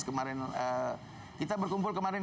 kemarin kita berkumpul kemarin